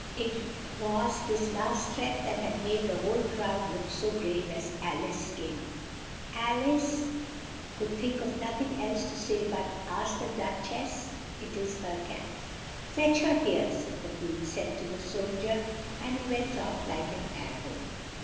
(It was this last threat that had made the whole crowd look so grave as Al ice came up.) Al ice could think of nothing else to say but, "Ask the Duch ess, it is her Cat." "Fetch her here," the Queen said to the sol dier, and he went off like an ar row.